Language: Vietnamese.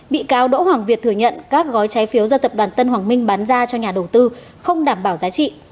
bị cáo đỗ hoàng việt thừa nhận các gói trái phiếu do tập đoàn tân hoàng minh bán ra cho nhà đầu tư không đảm bảo giá trị